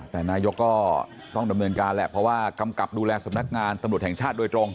แต่นายกก็ต้องดำเนินการแหละเพราะว่ากำกับดูแลสำนักงานตำรวจแห่งชาติโดยตรง